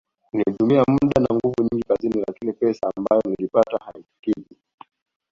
Nilitumia muda na nguvu nyingi kazini lakini pesa ambayo niliipata haikukidhi